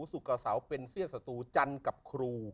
สุขสาวเป็นเสี้ยงสตูจันกับครู